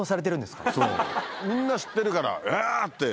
みんな知ってるから「えぇ！